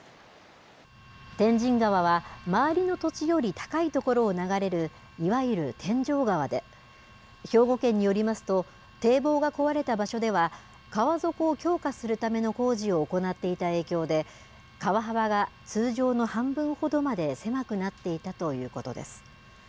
天神川は、周りの土地より高い所を流れる、いわゆる天井川で、兵庫県によりますと、堤防が壊れた場所では、川底を強化するための工事を行っていた影響で、川幅が通常の半分ほどまで狭くなっていたということです。